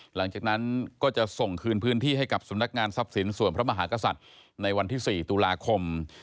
หลังจากนั้นก็จะส่งคืนพื้นที่ให้กับสำนักงานทรัพย์สินส่วนพระมหากษัตริย์ในวันที่๔ตุลาคม